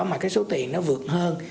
mà cái số tiền nó vượt hơn